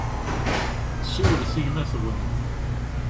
Siwlet i gma-twen.